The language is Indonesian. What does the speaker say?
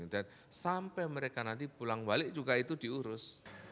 dan sampai mereka nanti pulang balik juga itu diurus